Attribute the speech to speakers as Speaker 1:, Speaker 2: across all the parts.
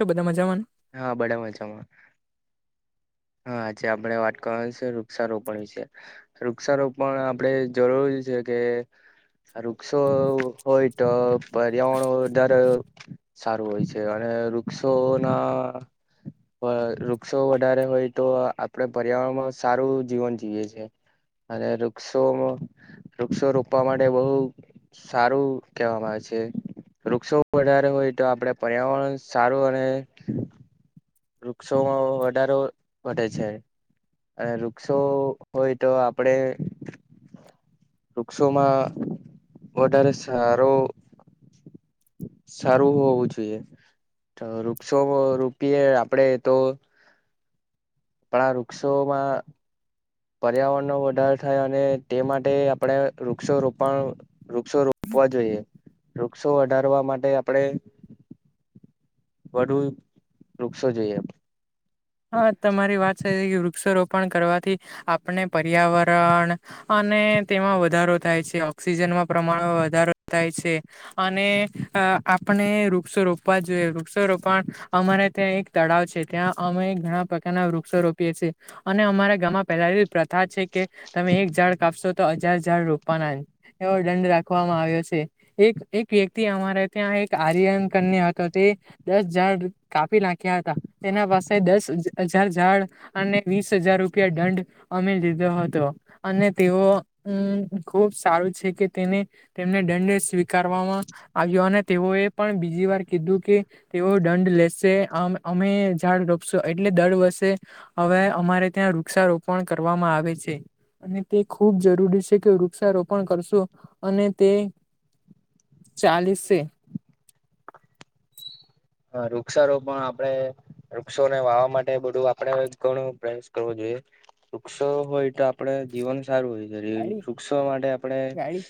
Speaker 1: બધ મજા
Speaker 2: હા બડા મજામાં હા આજે આપણેે વાત કરવાની છે વૃક્ષારોપણ વિશે વૃક્ષારોપણ આપણે જરૂરી છે કે વૃક્ષો હોય તો પર્યાવરણ વધારે સારું હોય છે અને વૃક્ષો ના વૃક્ષો વધારે હોય તો આપડ પર્યાવરણમાં સારું જીવન જીવીએ છ છેએ અને વૃક્ષોમાં વૃક્ષો રોપવા માટે બહુ સારું કહેવામાં આવે છે વૃક્ષો વધારે હોય તો આપડે પર્યાવરણ સારું અને વૃક્ષોમાં વધારો વધે છે વૃક્ષો હોય તો આપડે વૃક્ષોમાં વધારે સારો સારું હોવું જોઈએ તો વૃક્ષો રોપીએ આપડે તો પણ આ વૃક્ષોમાં પર્યાવરણનો વધારો થાય અને તે માટે આપણે વૃક્ષો રોપણ વૃક્ષો રોપવા જોઈએ વૃક્ષો વધારવા માટે આપણે વધુ વૃક્ષો જોઈ એમ
Speaker 1: હા તમારી વાત છે કે વૃક્ષારોપણ કરવાથી આપણે પર્યાવરણ તેમાં વધારો થાય છે ઓક્સિજનમાં પ્રમાણમાં વધારો થાય છે અને આપણે વૃક્ષો રોપવા જોઈએ વૃક્ષ રોપણ અમારે ત્યાં એક તળાવ છે ત્યાં અમે ઘણા પ્રકારના વૃક્ષો રોપીએ છીએ અને અમારા ગામમાં પહેલા પ્રથા છે કે તમે એક ઝાડ કાપશો તો હજાર ઝાડ રોપવાના એવો દંડ રાખવામાં આવ્યો છે એક એક વ્યક્તિ અમારે ત્યાં એક આર્યન કન્ય હતો તે દસ જડ કાપી નાખ્યા હતા તેના પાસે દસ હજાર ઝાડ અને વીસ હજાર રૂપિયા દંડ અમી લીધો હતો અને તેઓ ખુબ સારું છે કે તેને તેમને દંડ સ્વીકારવામાં અને તેઓએ પણ બીજી વાર કીધું કે તેઓ દંડ લેશે અમે ઝાડ એટલે દર વર્ષે હવે અમારે ત્યાં વૃક્ષારોપણ કરવામાં આવે છે અને તે ખૂબ જરૂરી છે કે વૃક્ષારોપણ કરશો અને તે ચાલીસેે
Speaker 2: હ વૃક્ષારોપ પણ આપડે વૃક્ષોને વાવા માટે બધું આપણેે ઘણું પ્રયાસ કરવો જોઈએ વૃક્ષ હોય તો આપડે જીવન સારું હોય
Speaker 1: ગાડી
Speaker 2: વૃક્ષ માટે આપણે
Speaker 1: ગાડી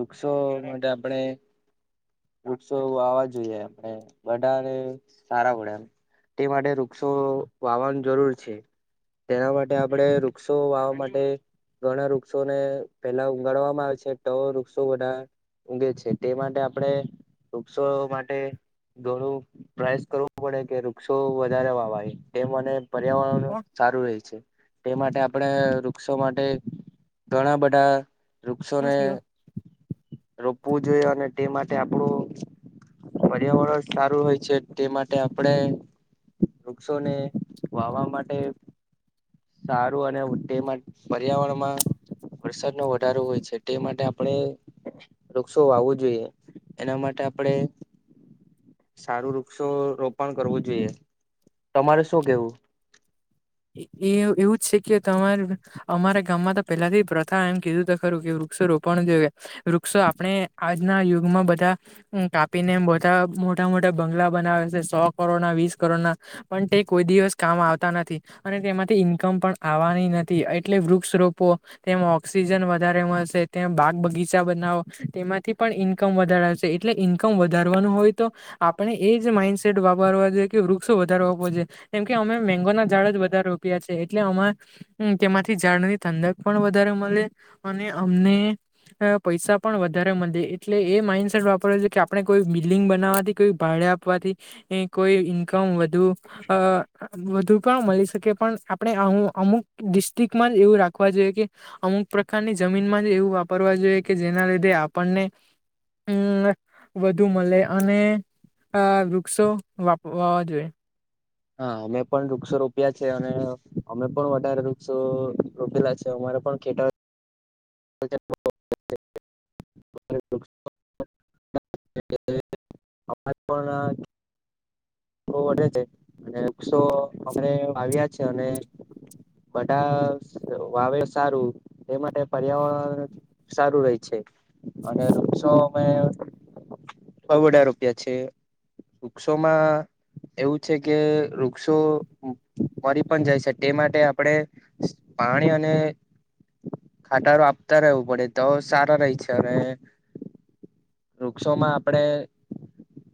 Speaker 2: વૃક્ષો માટે આપણે વૃક્ષો વાવા જોઈએ એમ બધાને સારા વડે એમ તે માટે વૃક્ષો વાવનું જરૂર છે તેના માટે આપડે વૃક્ષો વાવા માટે ઘણા વૃક્ષોને પેલા ઉગાડવામાં આવે છે, તો વૃક્ષો બધા ઊગે છે, તે માટે આપણેે વૃક્ષો માટે થોડું પ્રયાસ કરવું પડે, કે વૃક્ષો વધારે વાવાય તે મને પર્યાવરણ
Speaker 1: કોણ
Speaker 2: સારું રહે છે. તે માટે આપણે વૃક્ષો માટે ઘણા બધા
Speaker 1: હું
Speaker 2: વૃક્ષોને
Speaker 1: થયો
Speaker 2: રોપવું જોઈએ અને તે માટે આપણું પ પર્યાવરણ સારું હોય છે તે માટે આપણે વૃક્ષોને વાવા માટે સારુ અને તે માટ પર્યાવરણમાં વરસાદ નો વધારો હોય છે તે માટે આ પણે વૃક્ષો વાવવું જોઈએ, એના માટે આપણે સારું વૃક્ષો રોપણ કરવું જોઈએ, તમારે શું કેવું?
Speaker 1: એ એવું જ છે કે તમાર અમારા ગામમાં તો પહેલાથી પ્રથા એમ કીધું ત ખરું કે વૃક્ષો રોપણ જોઈએ, વૃક્ષો આપણે આજના યુગમાં બધા કાપીને બધા મ મોટા મોટા બંગલા બનાવે છે સો કરોડના વીસ કરોડના પણ તે કોઈ દિવસ કામ આવતા નથી, અને તેમાંથી ઈન્કમ પણ આવવાની નથી, એટલે વૃક્ષ રોપવો તેમાં ઓક્સિજન વધારે મળશે ત બાગ બગીચા બનાવો તેમાંથી પણ ઈન્કમ વધાર છે, એટલે ઈન્કમ વધારવાનું હોય તો આપણે એજ માઇન્ડસેટ વાપરવા જોઈએ કે વૃક્ષો વધારો આપવો જોઈએ, કેમ કે અમે મેંગો ના ઝાડ જ વ રૂપિયા છે, એટલેમાં હમાર તેમાંથી જાણવી ઠંડક પણ વધારે મળે, અને અમને પૈસા પણ વધારે મળે એટલે એ માઈન્ડસેટ વાપરવા જોઈયે, કે આપણે કોઈ બિલ્ડિંગ બનાવાથી કોઈ ભાડ આપવાથી એ કોઈ ઈ કમ વધુ અ વધુ પણ મળી શકે, પણ આપણે આવું અમુક ડિસ્ટ્રિકમાં જ એવું રાખવા જોઈએ, કે અમુક પ્રકારની જમીનમાજ એવું વાપરવા જોઈએ કે જે એના લીધે આપણને અ વધુ મળે. અને આ વૃક્ષો વાપ વાવા જોઈએ.
Speaker 2: હા અમે પણ વૃક્ષો રોપ્યા છે, અને અમે પણ વધારે વૃક્ષો રોપેલા છે અમા પણ ખેતર [unintelligible] એ અજ [unintelligible] પણ બોઉ વધે છે, અને વૃક્ષો અમને વાવ્યા છે અને બધા વાવે સારું એ માટે પર્યાવરણ સારું રે છે અને વૃક્ષોમે બઉ બધા રૂપિયા છે, વૃક્ષોમાં એવું છે કે વૃક્ષો ફરી પણ જાય છે, ટે માટે આપણે પાણી અને ખાટારો આપતા રહેવું પડે તો સારા રેય છે, અને વૃક્ષોમાં આપડે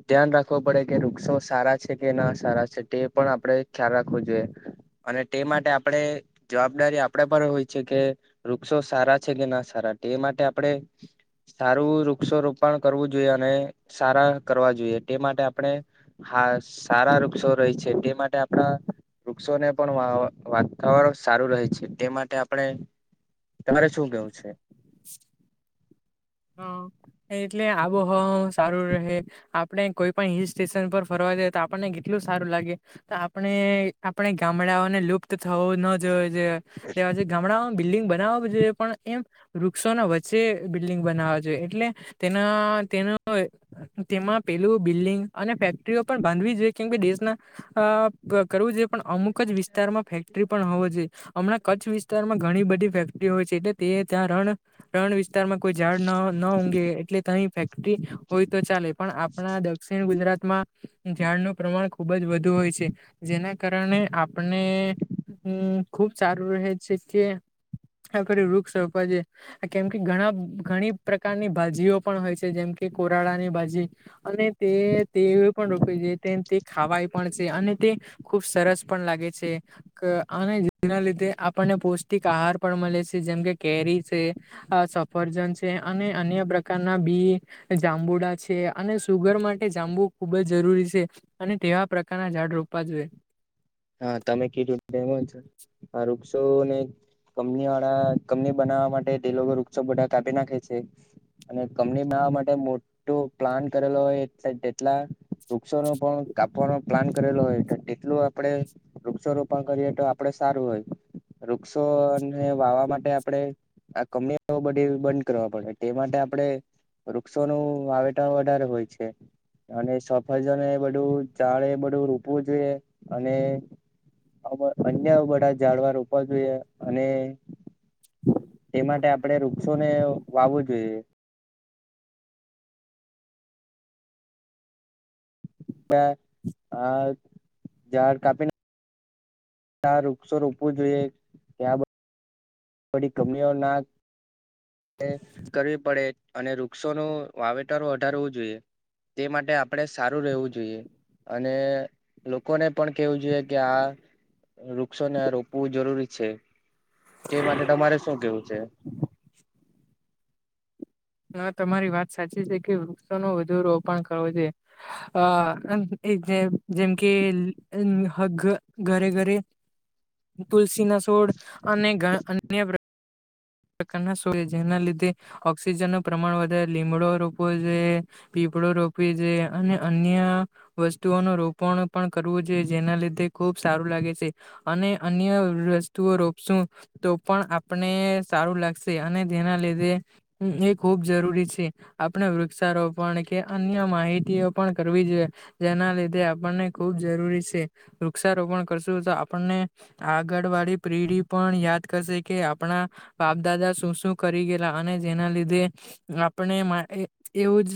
Speaker 2: ધ્યાન રાખવો પડે કે વૃક્ષો સારા છે કે ના સારા છે, તે પણ આપણે ખ્યાલ રાખવો જોઈએ. અને ટે માટે આપડે જવાબદારી આપડા પર હોય છે કે વૃક્ષો સારા છે કે ના સારા ટે માટે આપડે સારું વૃક્ષો રોપ ણ કરવું જોઈએ અને સારા કરવા જોઈએ, ટે માટે આપડે હા સારા વૃક્ષો છે ટે માટે આપણા વૃક્ષોને પણ વાવા વાતાવરણ સારું રહે છે, ટે માટે આપણે તમારે શું કેવું છે?
Speaker 1: [unintelligible] હા એટલે આબોહવા સારું રહે આપણે કોઈ પણ હિલ સ્ટેશન પર ફરવા તો આપણને કેટલું સારું લાગે, તે આપણે આપણે ગામડાઓને લુપ્ત થવું ન જોઈએ એ તે આજે ગામડા બિલ્ડિંગ બનાવા જોઈએ પણ, એમ વૃક્ષો ના વચ્ચે બિલ્ડિંગ બનાવા જોઈએ એટલી તેના તે તેમાં પેલું બિલ્ડિંગ અને ફેક્ટરીઓ બાંધવી જોઈએ કેમ દેશના કરવું જોઈએ પણ અમુક જ વિસ્તારમાં ફેક્ટરી પણ હોવો જોઈએ. હમણાં કચ્છ વિસ્તારમાં ઘણી બધી ફેક્ટરીઓ હોય છે, એટલે તે ત્યાં રણ રણ વિસ્તારમાં કોઈ ઝાડ ન ઊઘે એટલે તની ફેક્ટરી હોય તો ચાલે પણ, આપણા દક્ષિણ ગુજરાત મા ઝાડનું પ્રમાણ ખુબ જ વધુ હોય છે જેના કારણે આપણે હમ ખુબ સારું રહે છે કે આખ વૃક્ષ રોપવાજ કેમ કે ઘણા ઘણી પ્રકારની ભાજીઓ પણ હોય છે જેમ કે કોરાડાની ભાજી અને તે તે રો તે ખાવાય પણ છે અને તે ખુબ સરસ પણ લાગે છે અને જેના લીધે આપણને પૌષ્ટિક આહાર પણ મળે છે જેમકે કેરી છે. અ સ ફર્જન છે અને અન્ય પ્રકારના બી જાંબુડા છે અને સુગર માટે જાંબુ ખૂબ જ જરૂરી છે અને તેવા પ્રકારના ઝાડ રોપવા જોઈએ
Speaker 2: હા તમે કીધું એમ જ આ વૃક્ષો ને કંપની વાળા કંપની બનાવવા માટે તે લોકો વૃક્ષો બધા કાપી નાખે છે. અને કંપનીમાંવવા માટે મોટો પ્લાન કરેલો હોય એટ જેટલા વૃક્ષો નો પણ કાપવાનો પ્લાન કરેલો હોય તો તેટલું આપડે વૃક્ષ રોપણ કરીએ તો આપડે સારું હોય. વૃક્ષોને વાવા માટે આપડે આ કમી [unintelligible] બધી બંધ કરવા પડે તે માટે આપડણે વૃક્ષોનું વાવેટા વધારે હોય છે. અને સફરજ ને બધું ચાળ બધું રોપવું જોઈએ અને અન્ય બધા ઝાડવાર રોપવા જોઈએ અને એ માટે આપણેે વૃક્ષોને વાવવું જોઈએ. આ જાાર કાપી ના ત્યાં વૃક્ષો રોપવું જોઈએ ત્યાં થડી કમઓના કરવી પડે અને વૃક્ષોનું વાવેતર વધારવું જોઈએ. તે માટે આપણેે સારું રહેવું જોઈએ અને લોકોને પણ કેવું જોઈએ કે આ વૃક્ષોને આ રોપવું જરૂરી છે. તે માટે તમારે શું કેવું છે.
Speaker 1: હ તમારી વાત સાચી છે કે વૃક્ષો ન વધુ રોપણ કરવું જોઈએ અ અન જેમ કે ઘરે ઘરે તુ લસીના સોડ અને અન્ય પ્રકારના સો જેના લીધે ઓક્સિજનનું પ્રમાણ વધારે લીમડો રોપો જોય કપડ રોપવી જોઈએ અને અન્ય વસ્તુઓ નુ રોપણ પણ કરવું જોઈએ જેના લીધે ખૂબ ખૂબ સારું લાગે છે અને અન્ય વસ્તુઓ રોપશું તો પણ આપણે સારું લાગશે અને તેના લીધે એ ખૂબ જરૂરી છે આપણે વૃક્ષારોપણ કે અન્ય માહિતીઓ પણ કરવી જોઈએ જેના લીધે આપણને ખૂબ જરૂરી છે વૃક્ષ રોપણ કરશું તો આપણને આગળ વાળી પેઢી પણ યાદ કરશે કે આપણા બાપ દાદા શું શું કરી ગેલા અને જેના લીધે આપણે એવું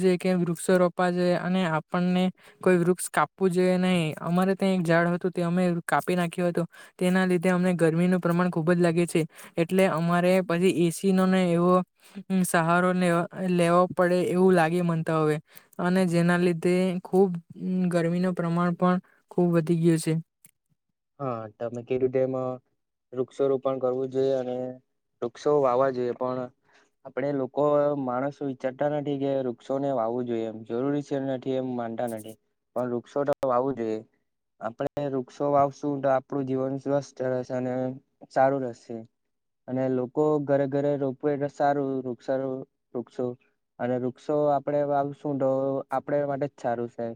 Speaker 1: જ વૃક્ષો રોપવા અને આપણને કોઈ વૃક્ષ કાપવું જોઈએ નહી અમારે ત્યાં ઝાડ હતું તે અમે કાપી નાખ્યો હતો તેના લીધે અમને ગરમીનું પ્રમાણ ખુબ જ લાગે છે. એટલે અમારે પછી એસી ન ને એવો સહારો લે લેવો પડે એવું લાગીમનતા હવેય અને જેના લીધે ખુબ ગરમીનું પ્રમાણ પણ ખૂબ વધી ગયું છે.
Speaker 2: હા તમે કીધું તેમ વૃક્ષો રોપણ કરવું જોઈએ અને વૃક્ષો વાવા જોઈએ પણ આપડે લોકો માણસો વિચારતા નથી કે વૃક્ષો ને વાવું જોઈએ એમ જરૂરી છે નથી એમ તા નથી પણ વૃક્ષો તો વાવું જોઈએ આપણે વૃક્ષો વાવ શુ શું તો આપણું જીવન સ્વસ્થ રહેશે અને સારું રહેશે. અને લોકો ઘરે ઘરે રોપવું એટલે સારું વૃક્ષાર- વૃક્ષો અને વૃક્ષો આપણે વાવીશું તો આપણા માટે જ સારું છે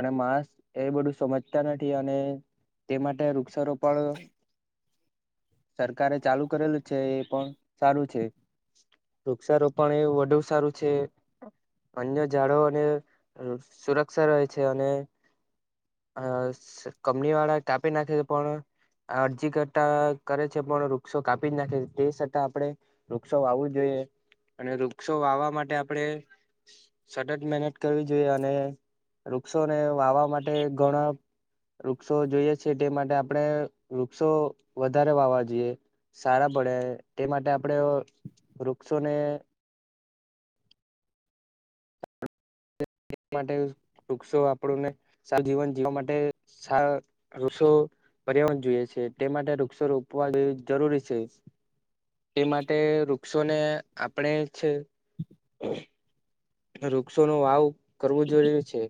Speaker 2: અને માણસ એ બધું સમજતા નથી અને તે માટે વૃક્ષારોપણ સરકારે ચાલુ કરેલું છે એ પણ સારું છે. વૃક્ષારોપણ એવું વધુ સારું છે. અન્ય ઝાડવાં અને સુરક્ષા રહે છે અને આ-સ- કંપનીવાળા કાપી નાખે છે પણ આ અરજી કરતાં કરે છે પણ વૃક્ષો કાપી જ નાખે છે તે છતાં આપણે વૃક્ષો વાવું જોઈએ અને વૃક્ષો વાવવા માટે આપણે સતત મહેનત કરવી જોઈએ અને વૃક્ષોને વાવવા માટે ઘણાં વૃક્ષો જોઈએ છે તે માટે આપણે વૃક્ષો વધારે વાવવા જોઈએ સારાંપડે તે માટે આપણે વૃક્ષોને [inaudible] માટે વૃક્ષો આપણુંને સારું જીવન જીવવા માટે સા રૂસો પર્યાવરણ જોઈએ છે તે માટે વૃક્ષો રોપવા જેવી જરૂરી છે એ માટે વૃક્ષોને આપણે છે વૃક્ષોનો વાવ કરવો જરૂરી છે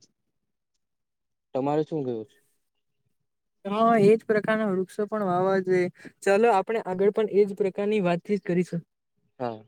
Speaker 2: તમારે શું થયું છે?
Speaker 1: હા એજ પ્રકારના વૃક્ષો પણ વાવવા જોઇએ ચાલો આપણે આગળ પણ એજ પ્રકારની વાતથી કરી શકુ.
Speaker 2: હા